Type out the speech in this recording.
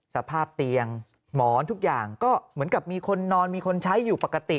สภาพเตียงหมอนทุกอย่างก็เหมือนกับมีคนนอนมีคนใช้อยู่ปกติ